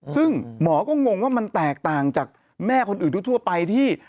ซึ่งหมอก็งงว่ามันแตกต่างจากแม่คนอื่นทั่วไปที่